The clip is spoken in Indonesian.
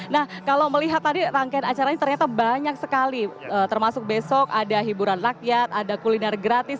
nah kalau melihat tadi rangkaian acara ini ternyata banyak sekali termasuk besok ada hiburan rakyat ada kuliner gratis